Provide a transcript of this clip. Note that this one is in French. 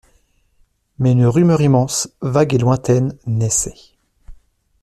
Mais une rumeur immense, vague et lointaine naissait.